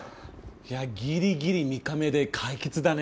いやギリギリ３日目で解決だね。